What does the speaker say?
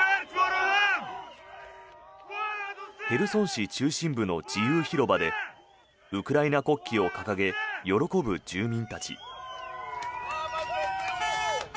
市中心部の自由広場でウクライナ国旗を掲げ喜ぶ住民たち。